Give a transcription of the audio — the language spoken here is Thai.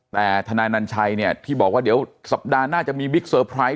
แต่ทนายนัญชัยเนี่ยที่บอกว่าเดี๋ยวสัปดาห์หน้าจะมีบิ๊กเซอร์ไพรส์